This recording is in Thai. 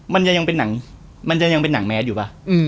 มันยังเป็นหนังมันจะยังเป็นหนังแมสอยู่ป่ะ